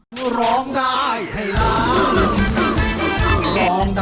ครับ